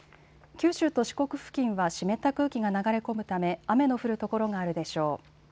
九州と四国付近は湿った空気が流れ込むため雨の降る所があるでしょう。